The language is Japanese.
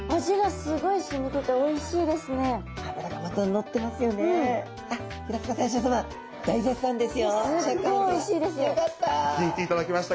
すごいおいしいですよ。よかった！